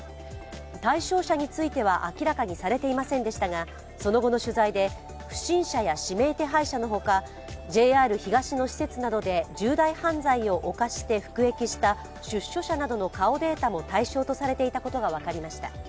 対象者については明らかにされていませんでしたがその後の取材で不審者や指名手配者のほかＪＲ東の施設などで重大犯罪を犯して服役した出所者などの顔データも対象とされていたことが分かりました。